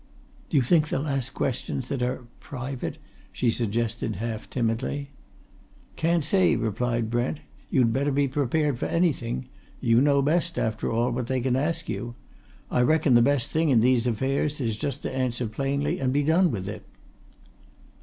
"Do you think they'll ask questions that are private?" she suggested half timidly. "Can't say," replied Brent. "You'd better be prepared for anything. You know best, after all, what they can ask you. I reckon the best thing, in these affairs, is just to answer plainly, and be done with it."